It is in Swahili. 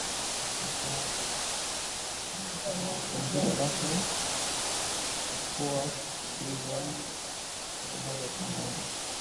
apumzika alafu tutakuwa tukiuliza maswali moja kwa moja